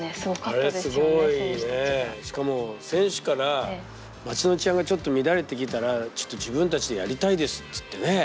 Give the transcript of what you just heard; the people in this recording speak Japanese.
しかも選手から町の治安がちょっと乱れてきたらちょっと自分たちでやりたいですっつってね。